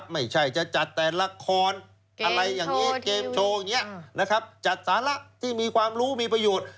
ไม่ใช่จะจัดแต่ละครอะไรอย่างนี้เกมโชว์อย่างนี้นะครับจัดสาระที่มีความรู้มีประโยชน์